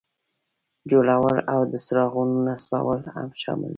جوړول او د څراغونو نصبول هم شامل دي.